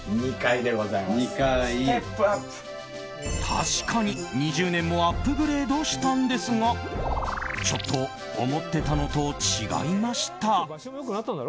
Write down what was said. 確かに２０年もアップグレードしたんですがちょっと思ってたのと違いました。